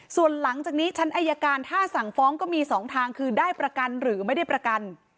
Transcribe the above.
ส่วนหลังจากนี้ชั้นอายการถ้าสั่งฟ้องก็มี๒ทางคือได้ประกันหรือไม่ได้ประกัน